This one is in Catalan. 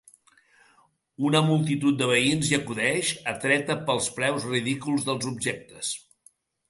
Una multitud de veïns hi acudeix, atreta pels preus ridículs dels objectes.